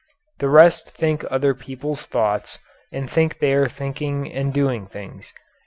The rest think other people's thoughts and think they are thinking and doing things.